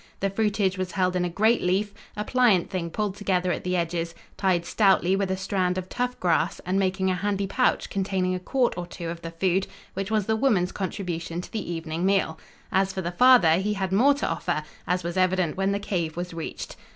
The fruitage was held in a great leaf, a pliant thing pulled together at the edges, tied stoutly with a strand of tough grass, and making a handy pouch containing a quart or two of the food, which was the woman's contribution to the evening meal. As for the father, he had more to offer, as was evident when the cave was reached.